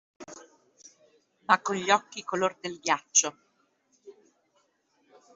Ma con gli occhi color del ghiaccio